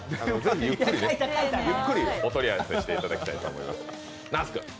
ゆっくりお取り寄せしていただきたいと思います。